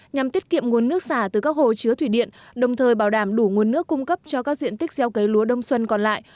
nhằm tiết kiệm nguồn nước xả từ các hồ chứa thủy điện đồng thời bảo đảm đủ nguồn nước cung cấp cho các diện tích gieo cấy lúa đông xuân còn lại